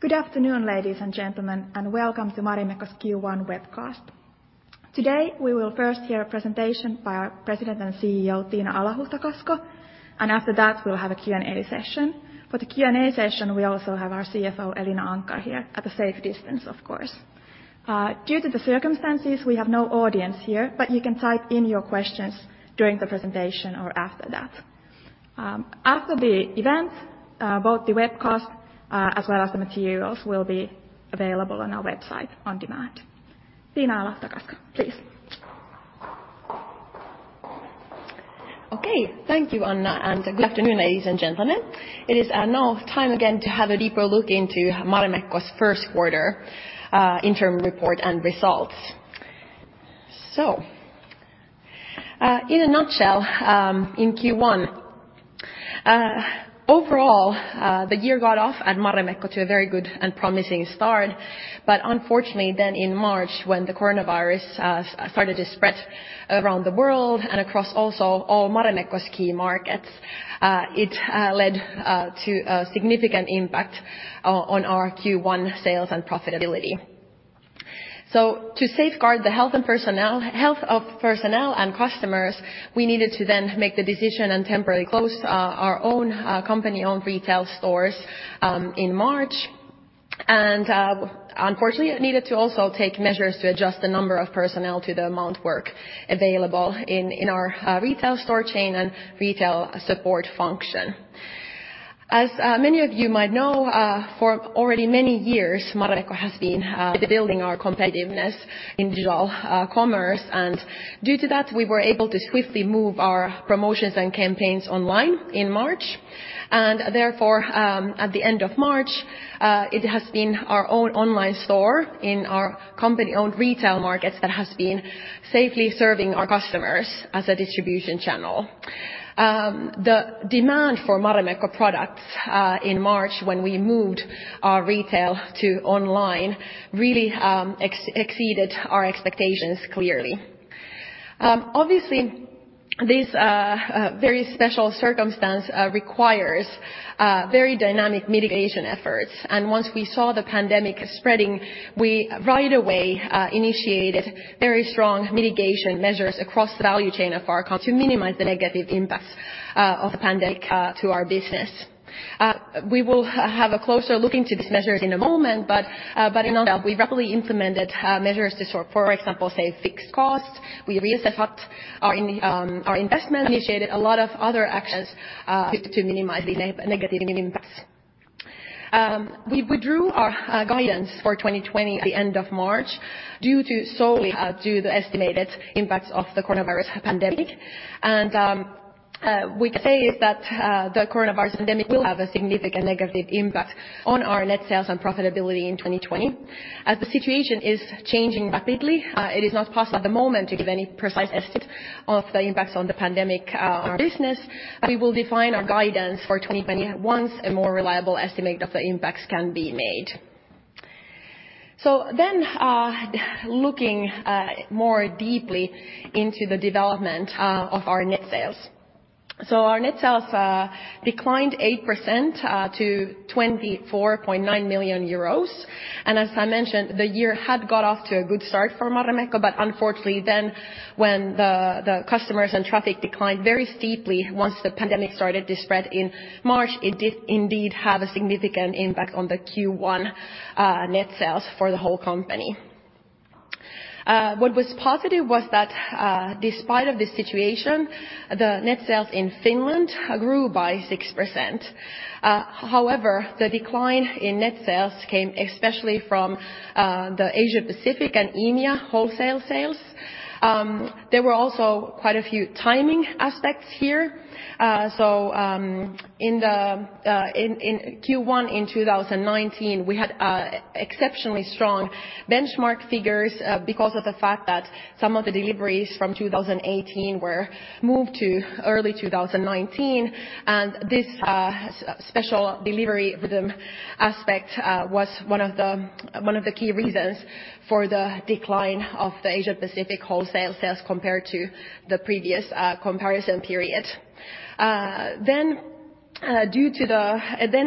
Good afternoon, ladies and gentlemen, welcome to Marimekko's Q1 webcast. Today, we will first hear a presentation by our President and CEO, Tiina Alahuhta-Kasko. After that, we'll have a Q&A session. For the Q&A session, we also have our CFO, Elina Anckar, here at a safe distance, of course. Due to the circumstances, we have no audience here. You can type in your questions during the presentation or after that. After the event, both the webcast as well as the materials will be available on our website on demand. Tiina Alahuhta-Kasko, please. Okay. Thank you, Anna. Good afternoon, ladies and gentlemen. It is now time again to have a deeper look into Marimekko's first quarter interim report and results. In a nutshell, in Q1, overall, the year got off at Marimekko to a very good and promising start, but unfortunately then in March when the coronavirus started to spread around the world and across also all Marimekko's key markets, it led to a significant impact on our Q1 sales and profitability. To safeguard the health of personnel and customers, we needed to then make the decision and temporarily close our own company-owned retail stores in March. Unfortunately, it needed to also take measures to adjust the number of personnel to the amount of work available in our retail store chain and retail support function. As many of you might know, for already many years, Marimekko has been building our competitiveness in digital commerce. Due to that, we were able to swiftly move our promotions and campaigns online in March. Therefore, at the end of March, it has been our own online store in our company-owned retail markets that has been safely serving our customers as a distribution channel. The demand for Marimekko products in March when we moved our retail to online really exceeded our expectations clearly. Obviously, this very special circumstance requires very dynamic mitigation efforts. Once we saw the pandemic spreading, we right away initiated very strong mitigation measures across the value chain to minimize the negative impacts of the pandemic to our business. We will have a closer look into these measures in a moment. In a nutshell, we rapidly implemented measures to, for example, save fixed costs. We re-assessed our investment, initiated a lot of other actions to minimize the negative impacts. We withdrew our guidance for 2020 at the end of March solely due to the estimated impacts of the coronavirus pandemic. We can say is that the coronavirus pandemic will have a significant negative impact on our net sales and profitability in 2020. As the situation is changing rapidly, it is not possible at the moment to give any precise estimate of the impacts on the pandemic on our business. We will define our guidance for 2020 once a more reliable estimate of the impacts can be made. Looking more deeply into the development of our net sales. Our net sales declined 8% to 24.9 million euros. As I mentioned, the year had got off to a good start for Marimekko, but unfortunately then when the customers and traffic declined very steeply once the pandemic started to spread in March, it did indeed have a significant impact on the Q1 net sales for the whole company. What was positive was that despite of the situation, the net sales in Finland grew by 6%. The decline in net sales came especially from the Asia-Pacific and EMEA wholesale sales. There were also quite a few timing aspects here. In Q1 in 2019, we had exceptionally strong benchmark figures because of the fact that some of the deliveries from 2018 were moved to early 2019. This special delivery rhythm aspect was one of the key reasons for the decline of the Asia-Pacific wholesale sales compared to the previous comparison period. In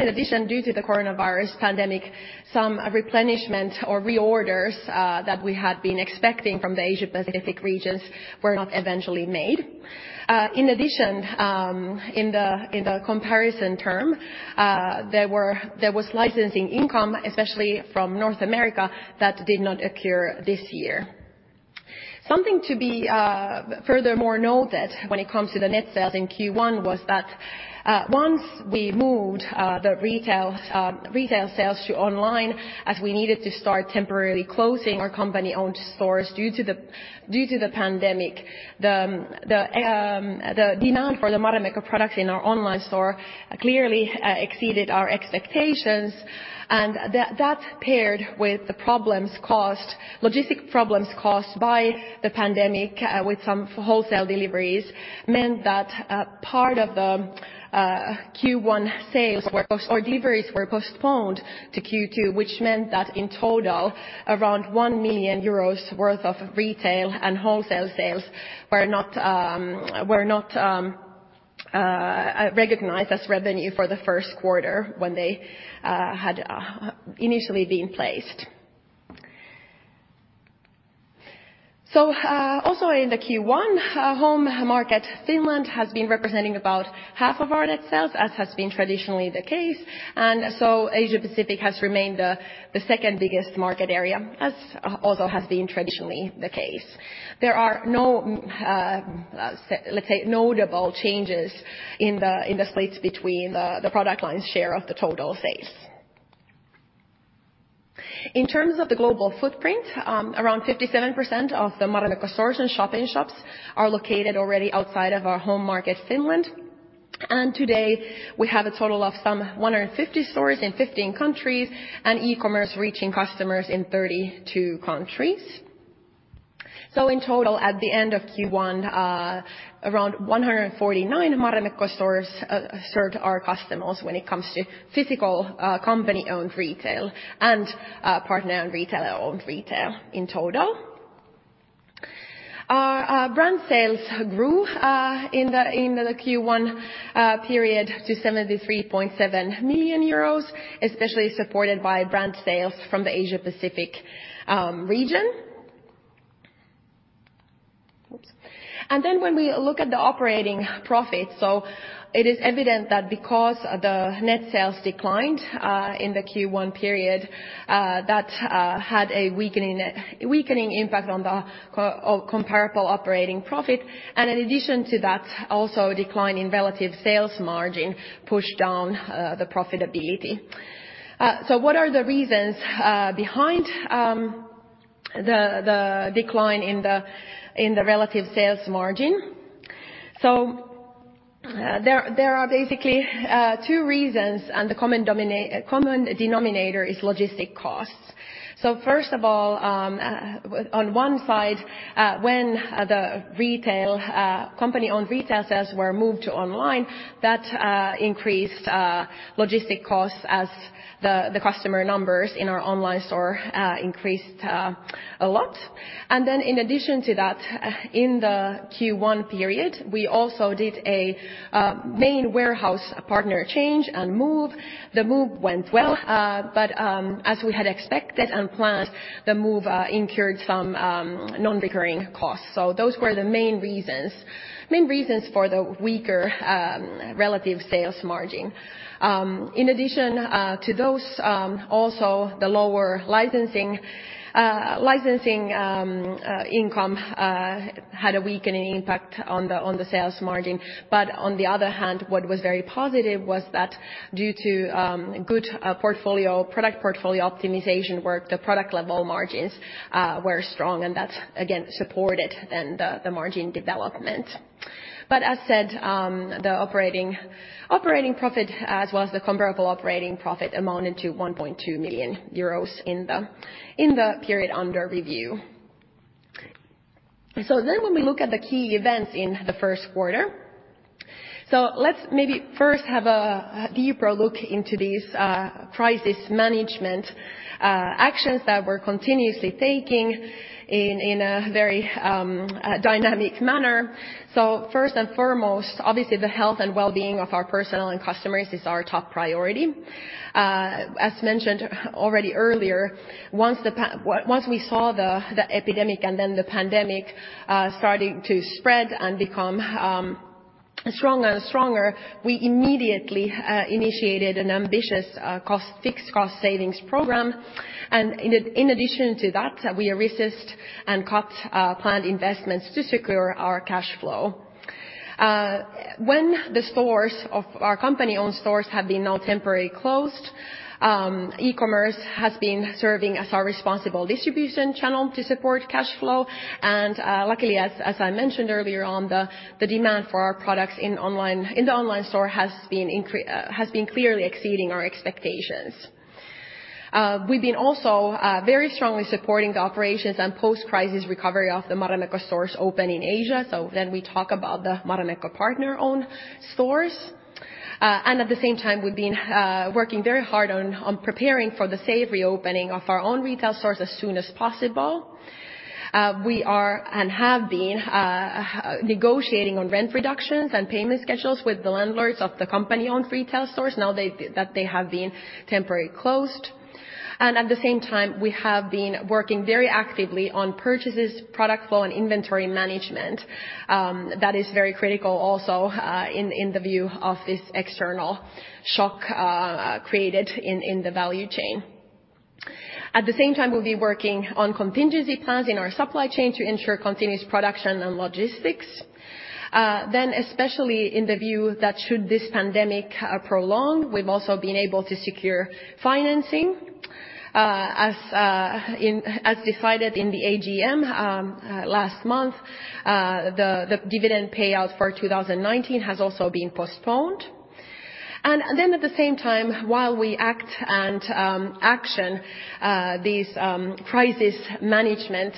addition, due to the coronavirus pandemic, some replenishment or reorders that we had been expecting from the Asia-Pacific regions were not eventually made. In addition, in the comparison term, there was licensing income, especially from North America, that did not occur this year. Something to be furthermore noted when it comes to the net sales in Q1 was that once we moved the retail sales to online, as we needed to start temporarily closing our company-owned stores due to the pandemic, the demand for the Marimekko products in our online store clearly exceeded our expectations. That paired with the logistics problems caused by the pandemic with some wholesale deliveries, meant that part of the Q1 sales or deliveries were postponed to Q2. That meant that in total, around 1 million euros worth of retail and wholesale sales were not recognized as revenue for the first quarter when they had initially been placed. In the Q1, home market Finland has been representing about half of our net sales, as has been traditionally the case. Asia-Pacific has remained the second biggest market area, as also has been traditionally the case. There are no notable changes in the splits between the product line's share of the total sales. In terms of the global footprint, around 57% of the Marimekko stores and shop-in-shops are located already outside of our home market, Finland. Today, we have a total of 150 stores in 15 countries, and e-commerce reaching customers in 32 countries. In total, at the end of Q1, 149 Marimekko stores served our customers when it comes to physical company-owned retail and partner and retailer-owned retail in total. Our brand sales grew in the Q1 period to 73.7 million euros, especially supported by brand sales from the Asia-Pacific region. When we look at the operating profits, it is evident that because the net sales declined in the Q1 period, that had a weakening impact on the comparable operating profit. In addition to that, also a decline in relative sales margin pushed down the profitability. What are the reasons behind the decline in the relative sales margin? There are basically two reasons, and the common denominator is logistic costs. First of all, on one side, when the company-owned retail sales were moved to online, that increased logistic costs as the customer numbers in our online store increased a lot. Then in addition to that, in the Q1 period, we also did a main warehouse partner change and move. The move went well, but as we had expected and planned, the move incurred some non-recurring costs. Those were the main reasons for the weaker relative sales margin. In addition to those, also the lower licensing income had a weakening impact on the sales margin. On the other hand, what was very positive was that due to good product portfolio optimization work, the product level margins were strong, and that again supported the margin development. As said, the operating profit as well as the comparable operating profit amounted to 1.2 million euros in the period under review. When we look at the key events in the first quarter, let's maybe first have a deeper look into these crisis management actions that we're continuously taking in a very dynamic manner. First and foremost, obviously the health and wellbeing of our personnel and customers is our top priority. As mentioned already earlier, once we saw the epidemic and then the pandemic starting to spread and become stronger and stronger, we immediately initiated an ambitious fixed cost savings program. In addition to that, we re-assessed and cut planned investments to secure our cash flow. When the stores of our company-owned stores have been now temporarily closed, e-commerce has been serving as our responsible distribution channel to support cash flow. Luckily, as I mentioned earlier on, the demand for our products in the online store has been clearly exceeding our expectations. We've been also very strongly supporting the operations and post-crisis recovery of the Marimekko stores open in Asia. We talk about the Marimekko partner-owned stores. At the same time, we've been working very hard on preparing for the safe reopening of our own retail stores as soon as possible. We are and have been negotiating on rent reductions and payment schedules with the landlords of the company-owned retail stores now that they have been temporarily closed. At the same time, we have been working very actively on purchases, product flow, and inventory management. That is very critical also in the view of this external shock created in the value chain. We've been working on contingency plans in our supply chain to ensure continuous production and logistics. Especially in the view that should this pandemic prolong, we've also been able to secure financing. As decided in the AGM last month, the dividend payout for 2019 has also been postponed. At the same time, while we act and action these crisis management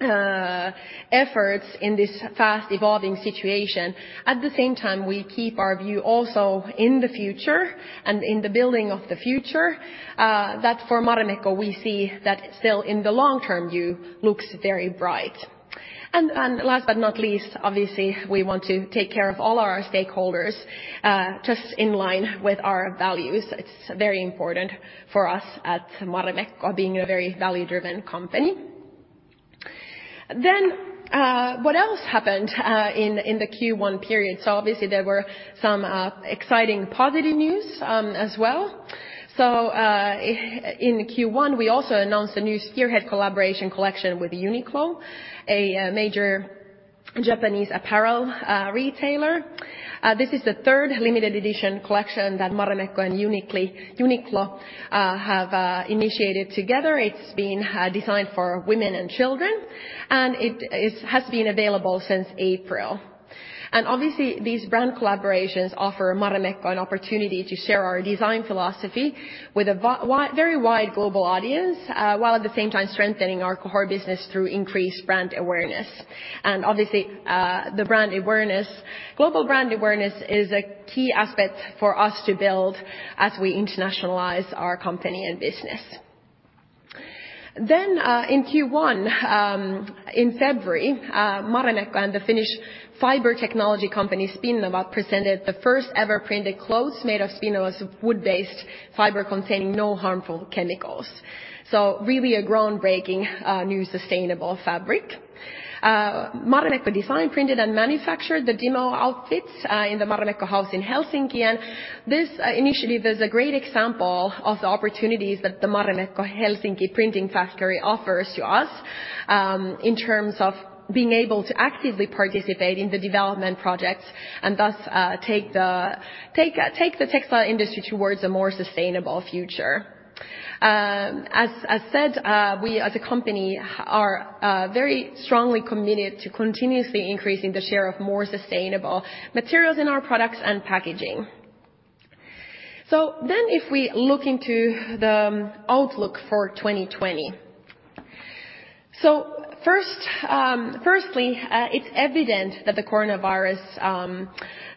efforts in this fast-evolving situation, at the same time, we keep our view also in the future and in the building of the future, that for Marimekko, we see that still in the long-term view looks very bright. Last but not least, obviously, we want to take care of all our stakeholders, just in line with our values. It's very important for us at Marimekko, being a very value-driven company. What else happened in the Q1 period? Obviously there were some exciting positive news as well. In Q1, we also announced a new spearhead collaboration collection with Uniqlo, a major Japanese apparel retailer. This is the third limited edition collection that Marimekko and Uniqlo have initiated together. It's been designed for women and children, and it has been available since April. Obviously, these brand collaborations offer Marimekko an opportunity to share our design philosophy with a very wide global audience, while at the same time strengthening our core business through increased brand awareness. Obviously, global brand awareness is a key aspect for us to build as we internationalize our company and business. In Q1, in February, Marimekko and the Finnish fiber technology company, Spinnova, presented the first ever printed clothes made of Spinnova's wood-based fiber containing no harmful chemicals. Really a groundbreaking, new sustainable fabric. Marimekko designed, printed, and manufactured the demo outfits in the Marimekko house in Helsinki. This initially was a great example of the opportunities that the Marimekko Helsinki printing factory offers to us, in terms of being able to actively participate in the development projects and thus take the textile industry towards a more sustainable future. As said, we as a company are very strongly committed to continuously increasing the share of more sustainable materials in our products and packaging. If we look into the outlook for 2020. Firstly, it's evident that the coronavirus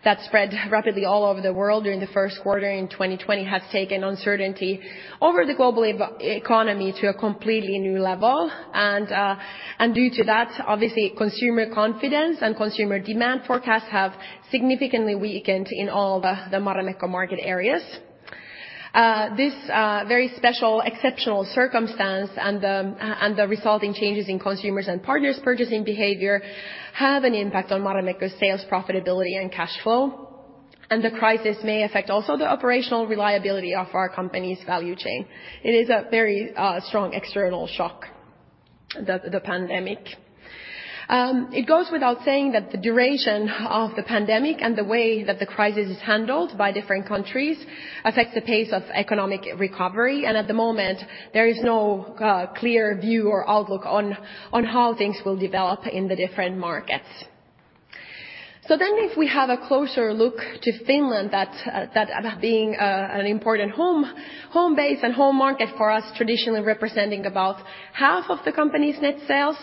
that spread rapidly all over the world during the first quarter in 2020 has taken uncertainty over the global economy to a completely new level. Due to that, obviously, consumer confidence and consumer demand forecasts have significantly weakened in all the Marimekko market areas. This very special, exceptional circumstance and the resulting changes in consumers' and partners' purchasing behavior, have an impact on Marimekko's sales profitability and cash flow. The crisis may affect also the operational reliability of our company's value chain. It is a very strong external shock, the pandemic. It goes without saying that the duration of the pandemic and the way that the crisis is handled by different countries affects the pace of economic recovery, and at the moment, there is no clear view or outlook on how things will develop in the different markets. If we have a closer look to Finland, that being an important home base and home market for us traditionally representing about half of the company's net sales.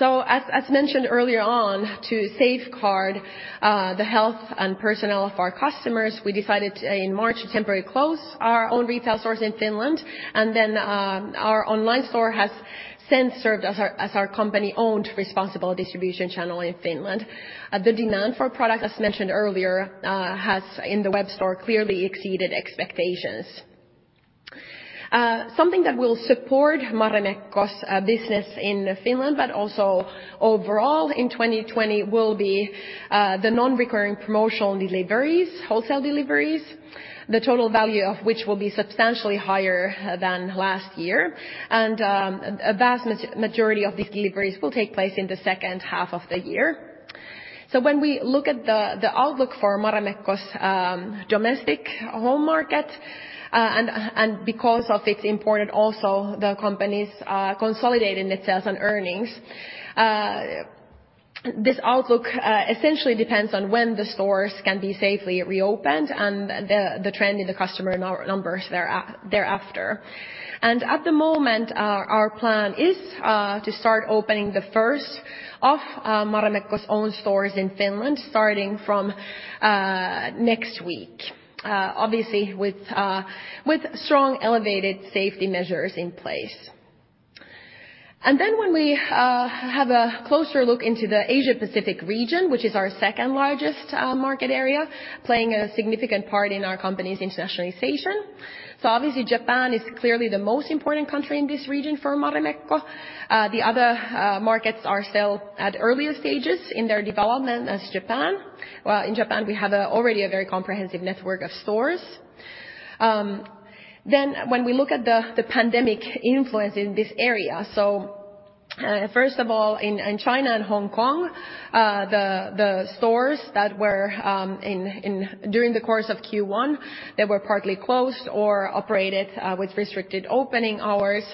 As mentioned earlier on, to safeguard the health and personnel of our customers, we decided in March to temporarily close our own retail stores in Finland, and then our online store has since served as our company-owned responsible distribution channel in Finland. The demand for product, as mentioned earlier, has, in the web store, clearly exceeded expectations. Something that will support Marimekko's business in Finland, but also overall in 2020 will be the non-recurring promotional deliveries, wholesale deliveries, the total value of which will be substantially higher than last year. A vast majority of these deliveries will take place in the second half of the year. When we look at the outlook for Marimekko's domestic home market, and because of its important also the company's consolidated net sales and earnings, this outlook essentially depends on when the stores can be safely reopened and the trend in the customer numbers thereafter. At the moment, our plan is to start opening the first of Marimekko's own stores in Finland starting from next week, obviously with strong, elevated safety measures in place. When we have a closer look into the Asia-Pacific region, which is our second-largest market area, playing a significant part in our company's internationalization. Obviously Japan is clearly the most important country in this region for Marimekko. The other markets are still at earlier stages in their development as Japan. In Japan, we have already a very comprehensive network of stores. When we look at the pandemic influence in this area, first of all, in China and Hong Kong, the stores that were, during the course of Q1, they were partly closed or operated with restricted opening hours.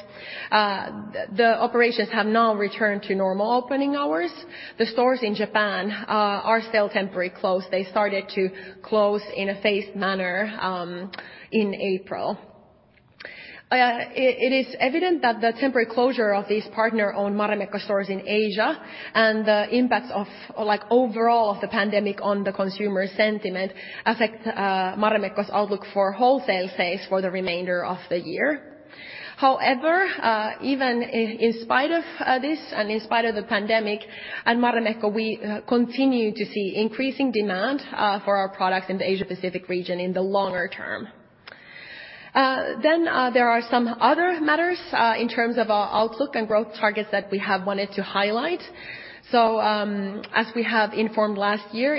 The operations have now returned to normal opening hours. The stores in Japan are still temporarily closed. They started to close in a phased manner in April. It is evident that the temporary closure of these partner-owned Marimekko stores in Asia and the impacts overall of the pandemic on the consumer sentiment affect Marimekko's outlook for wholesale sales for the remainder of the year. Even in spite of this and in spite of the pandemic, at Marimekko, we continue to see increasing demand for our products in the Asia Pacific region in the longer term. There are some other matters in terms of our outlook and growth targets that we have wanted to highlight. As we have informed last year,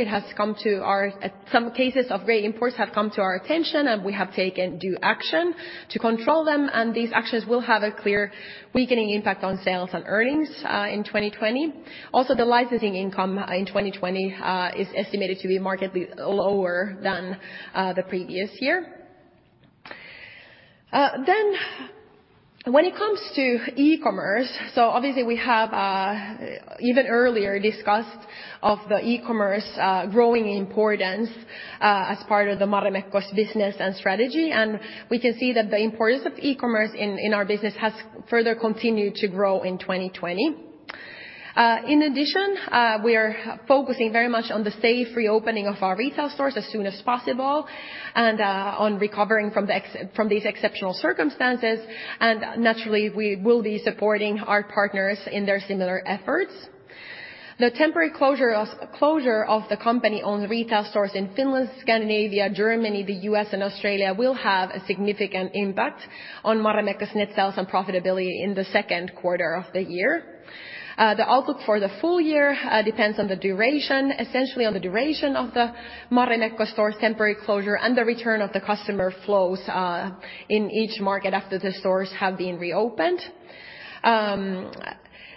some cases of gray imports have come to our attention, and we have taken due action to control them, and these actions will have a clear weakening impact on sales and earnings in 2020. The licensing income in 2020 is estimated to be markedly lower than the previous year. When it comes to e-commerce, obviously we have, even earlier, discussed of the e-commerce growing importance as part of Marimekko's business and strategy, and we can see that the importance of e-commerce in our business has further continued to grow in 2020. In addition, we are focusing very much on the safe reopening of our retail stores as soon as possible, and on recovering from these exceptional circumstances, and naturally, we will be supporting our partners in their similar efforts. The temporary closure of the company-owned retail stores in Finland, Scandinavia, Germany, the U.S., and Australia will have a significant impact on Marimekko's net sales and profitability in the second quarter of the year. The outlook for the full year depends essentially on the duration of the Marimekko store temporary closure and the return of the customer flows in each market after the stores have been reopened.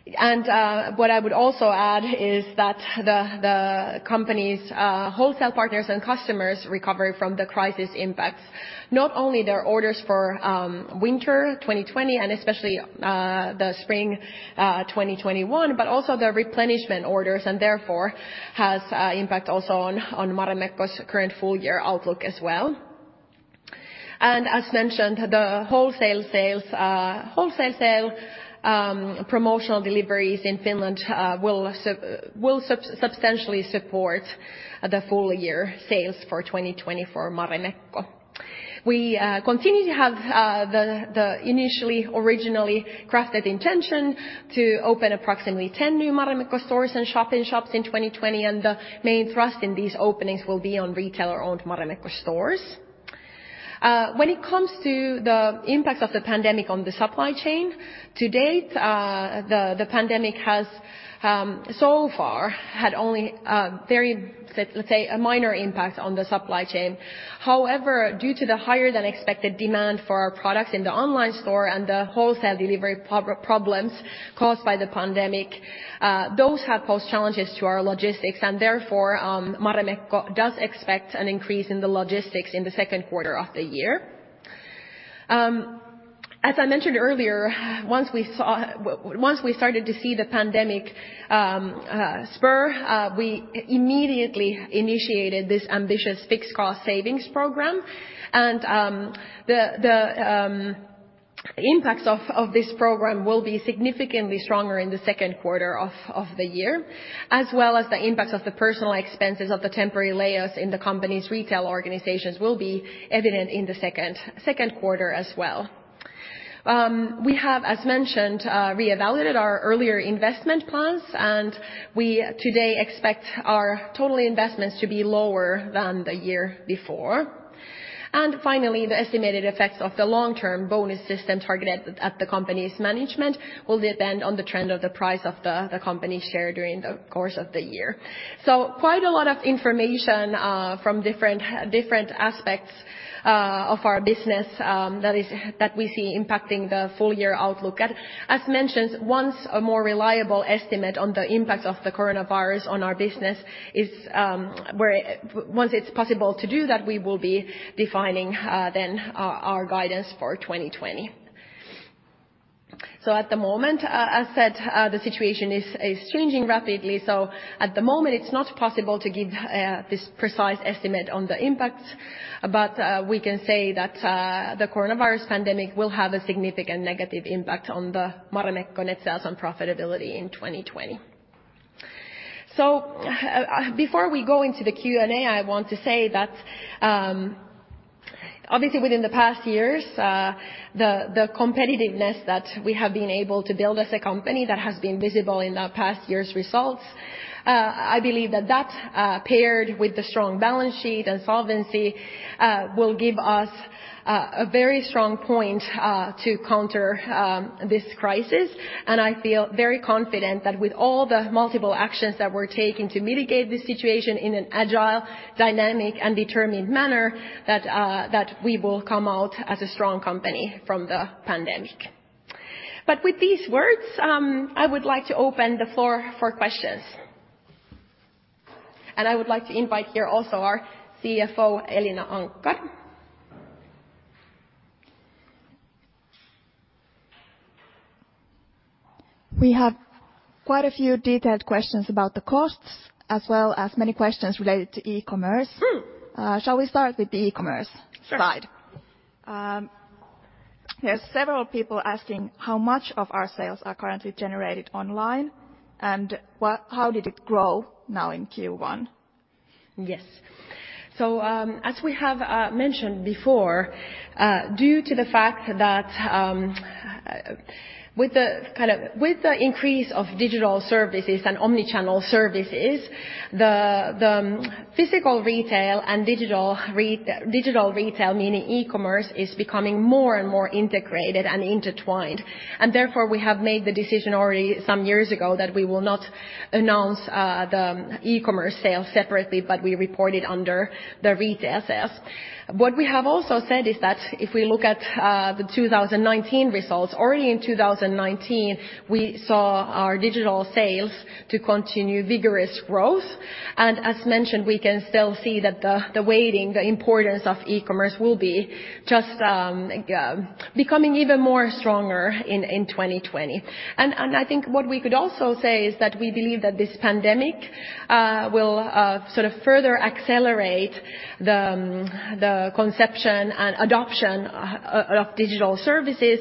What I would also add is that the company's wholesale partners and customers recovery from the crisis impacts not only their orders for winter 2020 and especially the spring 2021, but also their replenishment orders, and therefore, has impact also on Marimekko's current full year outlook as well. As mentioned, the wholesale sale promotional deliveries in Finland will substantially support the full year sales for 2020 for Marimekko. We continue to have the initially originally crafted intention to open approximately 10 new Marimekko stores and shop in shops in 2020, and the main thrust in these openings will be on retailer-owned Marimekko stores. When it comes to the impact of the pandemic on the supply chain, to date, the pandemic has so far had only, let's say, a minor impact on the supply chain. However, due to the higher than expected demand for our products in the online store and the wholesale delivery problems caused by the pandemic, those have posed challenges to our logistics and therefore, Marimekko does expect an increase in the logistics in the second quarter of the year. As I mentioned earlier, once we started to see the pandemic [spur], we immediately initiated this ambitious fixed cost saving program. The impacts of this program will be significantly stronger in the second quarter of the year, as well as the impacts of the personnel expenses of the temporary layoffs in the company's retail organizations will be evident in the second quarter as well. We have, as mentioned, reevaluated our earlier investment plans, and we today expect our total investments to be lower than the year before. Finally, the estimated effects of the long-term bonus system targeted at the company's management will depend on the trend of the price of the company share during the course of the year. Quite a lot of information from different aspects of our business that we see impacting the full year outlook. As mentioned, once a more reliable estimate on the impact of the coronavirus on our business, once it's possible to do that, we will be defining then our guidance for 2020. At the moment, as said, the situation is changing rapidly. At the moment, it's not possible to give this precise estimate on the impacts, but we can say that the coronavirus pandemic will have a significant negative impact on the Marimekko net sales and profitability in 2020. Before we go into the Q&A, I want to say that obviously within the past years, the competitiveness that we have been able to build as a company that has been visible in the past year's results, I believe that that paired with the strong balance sheet and solvency, will give us a very strong point to counter this crisis, and I feel very confident that with all the multiple actions that we're taking to mitigate this situation in an agile, dynamic, and determined manner, that we will come out as a strong company from the pandemic. With these words, I would like to open the floor for questions. I would like to invite here also our CFO, Elina Anckar. We have quite a few detailed questions about the costs, as well as many questions related to e-commerce. Shall we start with the e-commerce side? Sure. There are several people asking how much of our sales are currently generated online. How did it grow now in Q1? Yes. As we have mentioned before, due to the fact that with the increase of digital services and omni-channel services, the physical retail and digital retail, meaning e-commerce, is becoming more and more integrated and intertwined. Therefore, we have made the decision already some years ago that we will not announce the e-commerce sales separately, but we report it under the retail sales. What we have also said is that if we look at the 2019 results, already in 2019, we saw our digital sales to continue vigorous growth. As mentioned, we can still see that the weighting, the importance of e-commerce will be just becoming even more stronger in 2020. I think what we could also say is that we believe that this pandemic will further accelerate the conception and adoption of digital services.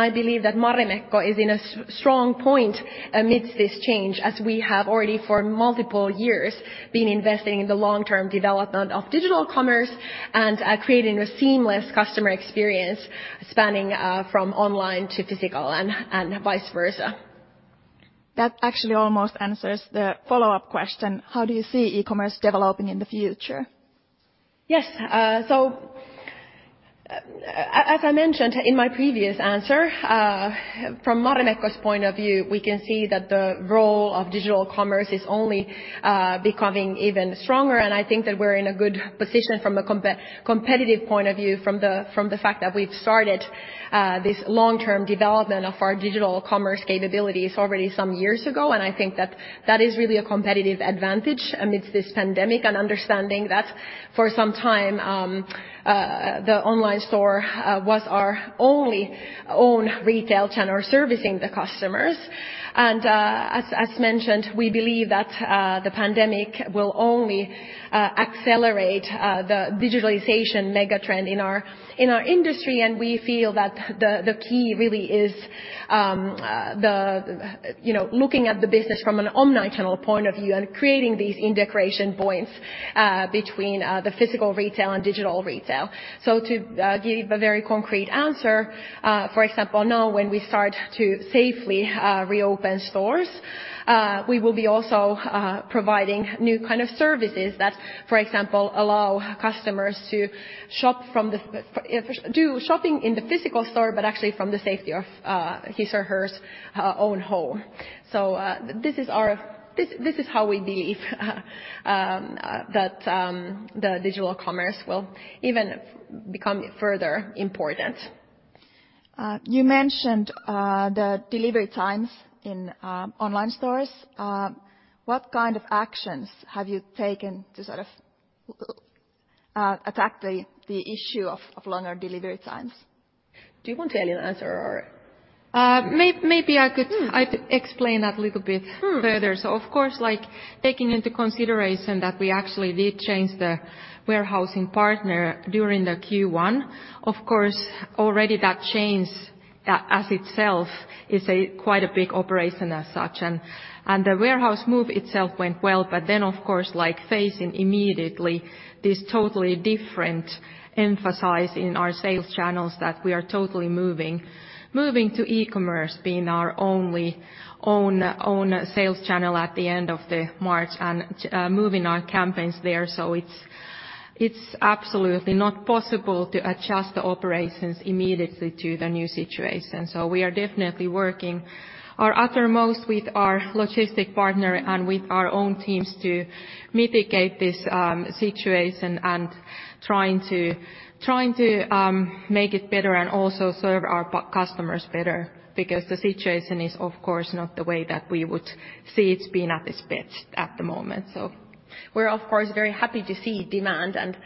I believe that Marimekko is in a strong point amidst this change, as we have already for multiple years been investing in the long-term development of digital commerce and creating a seamless customer experience spanning from online to physical and vice versa. That actually almost answers the follow-up question, how do you see e-commerce developing in the future? Yes. As I mentioned in my previous answer, from Marimekko's point of view, we can see that the role of digital commerce is only becoming even stronger. I think that we're in a good position from a competitive point of view from the fact that we've started this long-term development of our digital commerce capabilities already some years ago. I think that is really a competitive advantage amidst this pandemic, and understanding that for some time, the online store was our only own retail channel servicing the customers. As mentioned, we believe that the pandemic will only accelerate the digitalization mega trend in our industry, and we feel that the key really is looking at the business from an omni-channel point of view and creating these integration points between the physical retail and digital retail. To give a very concrete answer, for example, now when we start to safely reopen stores we will be also providing new kind of services that, for example, allow customers to do shopping in the physical store, but actually from the safety of his or hers own home. This is how we believe that the digital commerce will even become further important. You mentioned the delivery times in online stores. What kind of actions have you taken to attack the issue of longer delivery times? Do you want to answer or? Maybe I could. Explain that a little bit further. Of course, taking into consideration that we actually did change the warehousing partner during the Q1, of course, already that change, as itself, is quite a big operation as such, and the warehouse move itself went well. Of course, facing immediately this totally different emphasis in our sales channels that we are totally moving to e-commerce being our only own sales channel at the end of the March and moving our campaigns there. It's absolutely not possible to adjust the operations immediately to the new situation. We are definitely working our uttermost with our logistic partner and with our own teams to mitigate this situation and trying to make it better and also serve our customers better, because the situation is, of course, not the way that we would see it being at its best at the moment. We're, of course, very happy to see demand and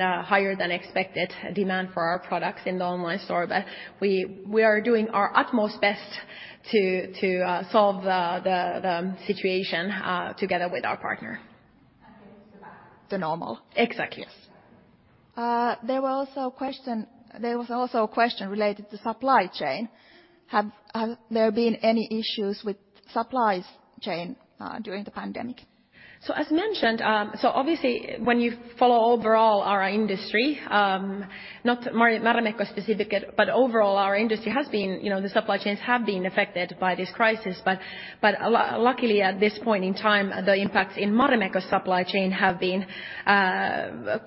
higher than expected demand for our products in the online store. We are doing our utmost best to solve the situation together with our partner. The normal. Exactly. Yes. There was also a question related to supply chain. Have there been any issues with supply chain during the pandemic? As mentioned, obviously, when you follow overall our industry, not Marimekko specific, but overall our industry, the supply chains have been affected by this crisis. Luckily, at this point in time, the impact in Marimekko supply chain have been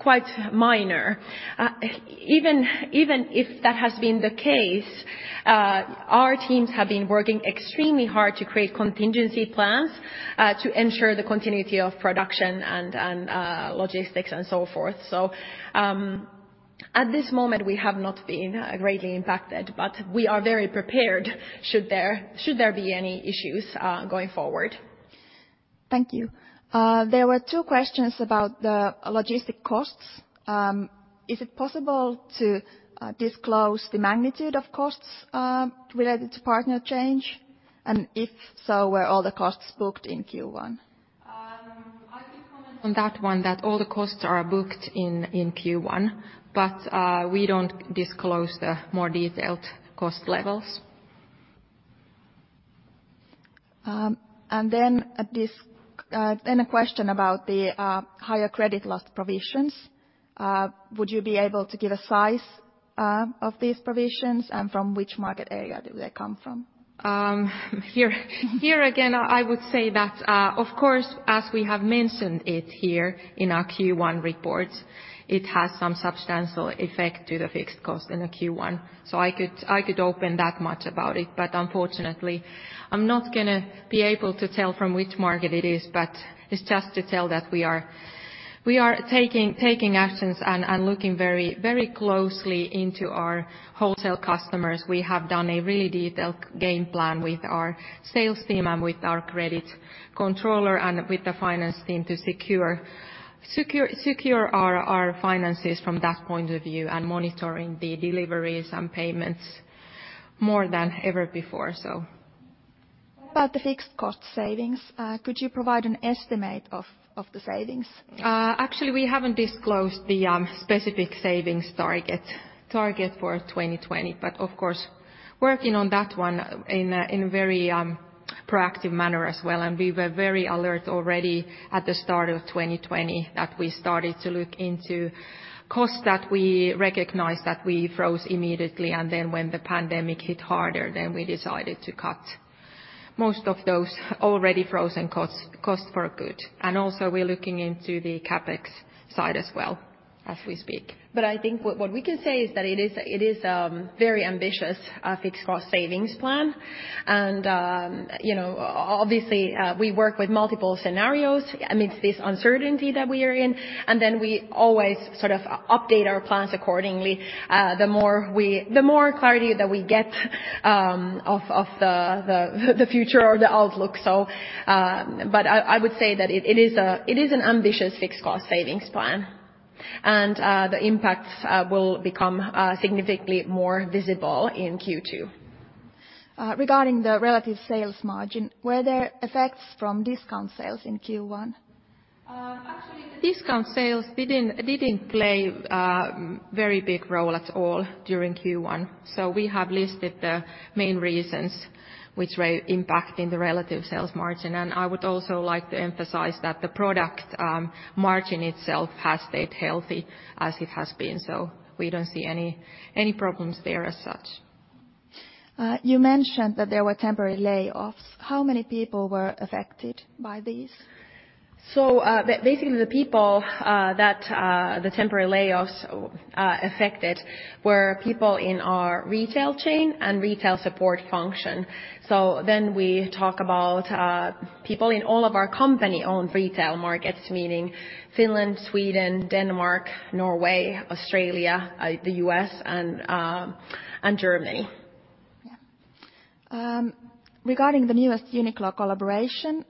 quite minor. Even if that has been the case, our teams have been working extremely hard to create contingency plans to ensure the continuity of production and logistics and so forth. At this moment, we have not been greatly impacted, but we are very prepared should there be any issues going forward. Thank you. There were two questions about the logistic costs. Is it possible to disclose the magnitude of costs related to partner change? If so, were all the costs booked in Q1? On that one, all the costs are booked in Q1, but we don't disclose the more detailed cost levels. A question about the higher credit loss provisions. Would you be able to give a size of these provisions, and from which market area do they come from? Here again, I would say that, of course, as we have mentioned it here in our Q1 reports, it has some substantial effect to the fixed cost in the Q1. I could open that much about it. Unfortunately, I'm not going to be able to tell from which market it is, but it's just to tell that we are taking actions and are looking very closely into our wholesale customers. We have done a really detailed game plan with our sales team and with our credit controller, and with the finance team to secure our finances from that point of view, and monitoring the deliveries and payments more than ever before. What about the fixed cost savings? Could you provide an estimate of the savings? Actually, we haven't disclosed the specific savings target for 2020. Of course, working on that one in a very proactive manner as well, and we were very alert already at the start of 2020 that we started to look into costs that we recognized that we froze immediately. When the pandemic hit harder, we decided to cut most of those already frozen costs for good. Also, we're looking into the CapEx side as well, as we speak. I think what we can say is that it is a very ambitious fixed cost savings plan. Obviously, we work with multiple scenarios amidst this uncertainty that we are in. Then we always update our plans accordingly, the more clarity that we get of the future or the outlook. I would say that it is an ambitious fixed cost savings plan. The impacts will become significantly more visible in Q2. Regarding the relative sales margin, were there effects from discount sales in Q1? Actually, the discount sales didn't play a very big role at all during Q1. We have listed the main reasons which were impacting the relative sales margin, and I would also like to emphasize that the product margin itself has stayed healthy as it has been. We don't see any problems there as such. You mentioned that there were temporary layoffs. How many people were affected by these? Basically, the people that the temporary layoffs affected were people in our retail chain and retail support function. We talk about people in all of our company-owned retail markets, meaning Finland, Sweden, Denmark, Norway, Australia, the U.S., and Germany. Yeah. Regarding the newest Uniqlo collaboration,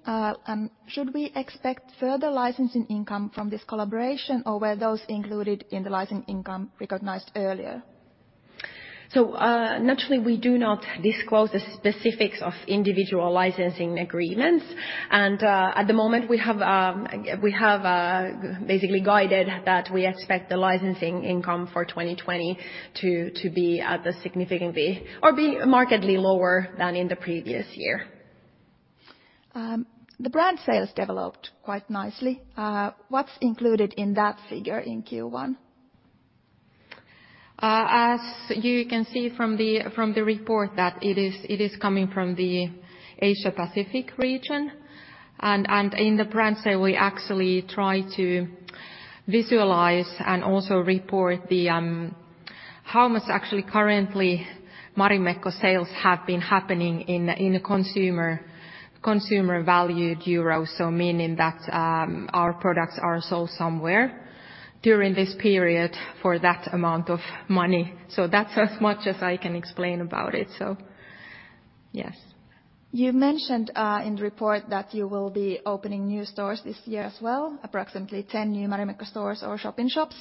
should we expect further licensing income from this collaboration, or were those included in the licensing income recognized earlier? Naturally, we do not disclose the specifics of individual licensing agreements. At the moment, we have basically guided that we expect the licensing income for 2020 to be markedly lower than in the previous year. The brand sales developed quite nicely. What's included in that figure in Q1? As you can see from the report that it is coming from the Asia Pacific region. In the brand sales, we actually try to visualize and also report how much actually currently Marimekko sales have been happening in consumer valued EUR. Meaning that our products are sold somewhere during this period for that amount of money. That's as much as I can explain about it, so yes. You mentioned in the report that you will be opening new stores this year as well, approximately 10 new Marimekko stores or shop-in-shops.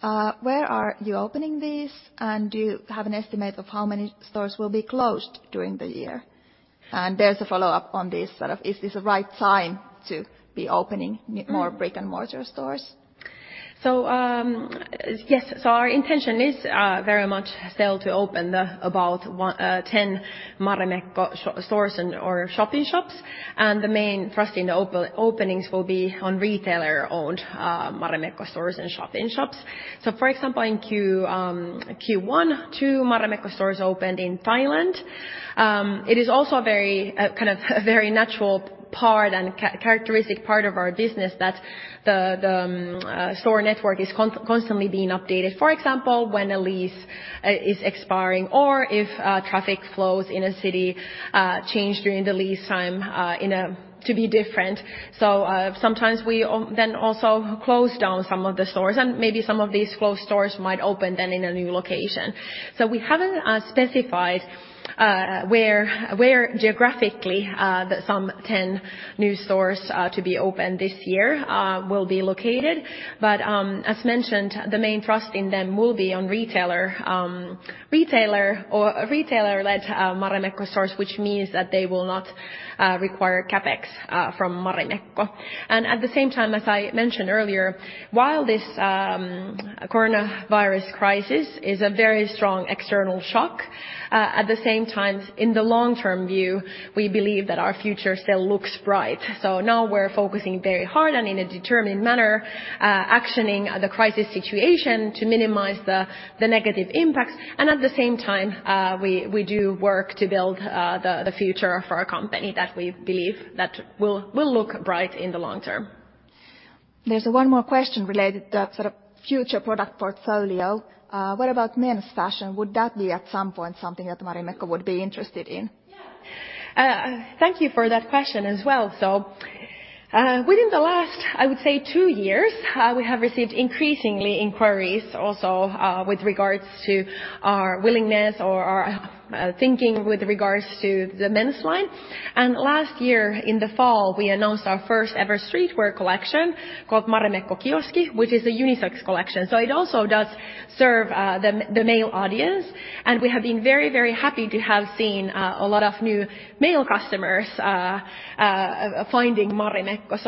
Where are you opening these, and do you have an estimate of how many stores will be closed during the year? There's a follow-up on this, is this the right time to be opening more brick-and-mortar stores? Yes. Our intention is very much still to open about 10 Marimekko stores or shop-in-shops. And the main thrust in the openings will be on retailer-owned Marimekko stores and shop-in-shops. For example, in Q1, two Marimekko stores opened in Thailand. It is also a very natural part and characteristic part of our business that the store network is constantly being updated. For example, when a lease is expiring or if traffic flows in a city change during the lease time to be different. Sometimes we then also close down some of the stores. Maybe some of these closed stores might open then in a new location. We haven't specified where geographically that some 10 new stores to be opened this year will be located. As mentioned, the main thrust in them will be on retailer or retailer-led Marimekko stores, which means that they will not require CapEx from Marimekko. At the same time, as I mentioned earlier, while this coronavirus crisis is a very strong external shock, at the same time, in the long-term view, we believe that our future still looks bright. Now we're focusing very hard and in a determined manner, actioning the crisis situation to minimize the negative impacts. At the same time, we do work to build the future for our company that we believe that will look bright in the long term. There's one more question related to that future product portfolio. What about men's fashion? Would that be at some point something that Marimekko would be interested in? Yeah. Thank you for that question as well. Within the last, I would say, two years, we have received increasingly inquiries also with regards to our willingness or our thinking with regards to the men's line. Last year in the fall, we announced our first-ever streetwear collection called Marimekko Kioski, which is a unisex collection. It also does serve the male audience, and we have been very happy to have seen a lot of new male customers finding Marimekko.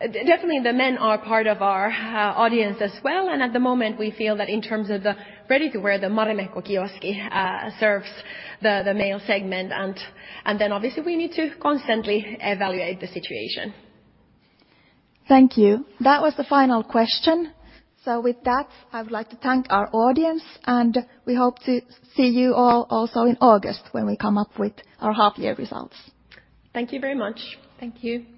Definitely, the men are part of our audience as well. At the moment we feel that in terms of the ready-to-wear, the Marimekko Kioski serves the male segment. Obviously we need to constantly evaluate the situation. Thank you. That was the final question. With that, I would like to thank our audience, and we hope to see you all also in August when we come up with our half-year results. Thank you very much. Thank you.